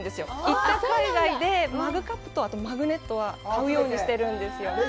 行った海外で、マグカップとマグネットは買うようにしてるんですよ。